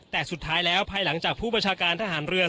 แต่สุดท้ายแล้วภายหลังจากผู้ประชาการทหารเรือ